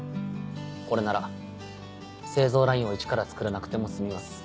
これなら製造ラインをイチからつくらなくても済みます。